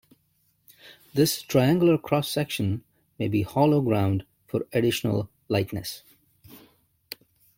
This triangular cross-section may be hollow ground for additional lightness.